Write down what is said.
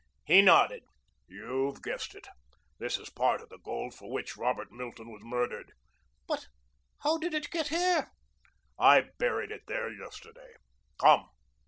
He nodded. "You've guessed it. This is part of the gold for which Robert Milton was murdered." "But how did it get here?" "I buried it there yesterday. Come."